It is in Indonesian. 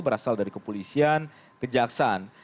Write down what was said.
berasal dari kepolisian kejaksaan